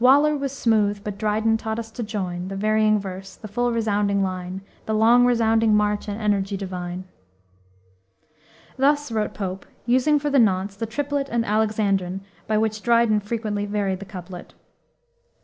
"Waller was smooth, but Dryden taught to join The varying verse, the full resounding line, The long resounding march and energy divine." Thus wrote Pope, using for the nonce the triplet and alexandrine by which Dryden frequently varied the couplet.